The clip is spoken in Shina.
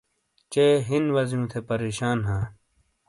چے ہین وازیوں تھے پریشان ہاں۔